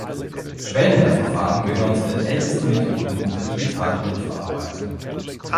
Schwellenwertverfahren gehören zu den ältesten Methoden in der digitalen Bildverarbeitung.